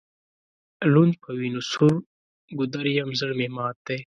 لوند په وینو سور ګودر یم زړه مي مات دی